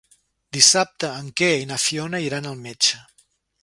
Dissabte en Quer i na Fiona iran al metge.